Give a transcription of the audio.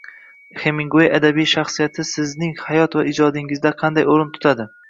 Heminguey adabiy shaxsiyati sizning hayot va ijodingizda qanday o‘rin tutadi